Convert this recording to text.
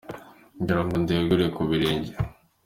Ngira ngo ndengure ku birenge.